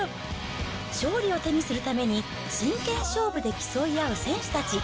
勝利を手にするために、真剣勝負で競い合う選手たち。